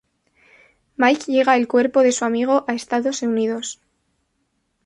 Mike llega el cuerpo de su amigo a Estados Unidos.